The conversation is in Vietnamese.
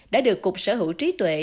đã được cục sở hữu trí tuệ